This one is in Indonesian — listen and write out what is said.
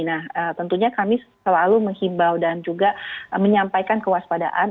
nah tentunya kami selalu menghimbau dan juga menyampaikan kewaspadaan